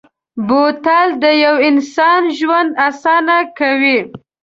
بوتل د یو انسان ژوند اسانه کوي.